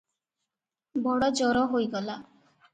ବଡ଼ ଜର ହୋଇଗଲା ।"